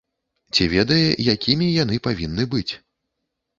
Ці ведае, якімі яны павінны быць.